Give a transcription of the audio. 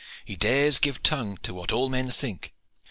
"He dares to give tongue to what all men think.